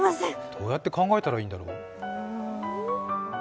どうやって考えたらいいんだろう。